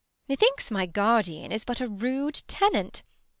Metliinks my guardian Is but a rude tenant.